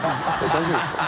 大丈夫ですか？